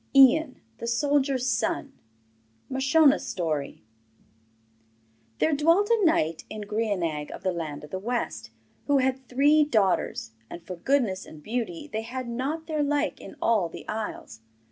] Ian, the Soldier's Son There dwelt a knight in Grianaig of the land of the West, who had three daughters, and for goodness and beauty they had not their like in all the isles.